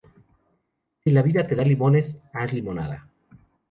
Si la vida te da limones, haz limonada